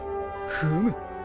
フム。